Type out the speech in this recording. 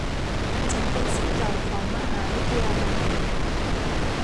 ฉันเป็นศิษย์เก่าของมหาวิทยาลัย